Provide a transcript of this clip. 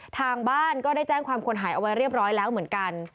ทางบ้านก็ได้แจ้งความคนหายเอาไว้เรียบร้อยแล้วเหมือนกัน